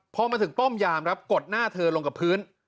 พอมาถึงป้อมยามครับกดหน้าเธอลงกับพื้น